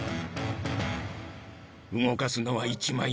動かすのは１枚。